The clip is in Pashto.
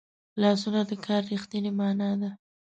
لاسونه د کار رښتینې مانا ده